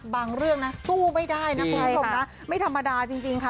เรื่องนะสู้ไม่ได้นะคุณผู้ชมนะไม่ธรรมดาจริงค่ะ